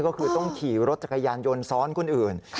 ก็คือต้องขี่รถจักรยานยนต์ซ้อนคนอื่น